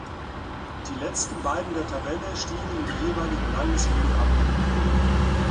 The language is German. Die letzten beiden der Tabelle stiegen in die jeweiligen Landesligen ab.